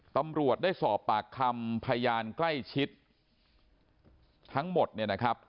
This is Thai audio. ตำรวจได้สอบปากคำพยานใกล้ชิดทั้งหมดเนี่ยนะครับ